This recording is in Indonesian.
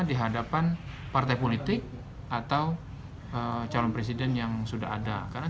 di hadapan partai politik atau calon presiden yang sudah ada karena